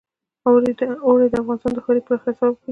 اوړي د افغانستان د ښاري پراختیا سبب کېږي.